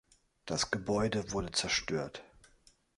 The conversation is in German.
Das Gebäude wurde zerstört.